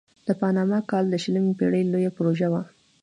د پاناما کانال د شلمې پیړۍ لویه پروژه وه.